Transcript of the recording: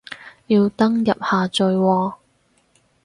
要登入下載喎